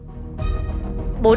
bốn năm trước